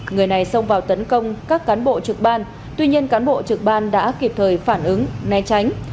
người này xông vào tấn công các cán bộ trực ban tuy nhiên cán bộ trực ban đã kịp thời phản ứng né tránh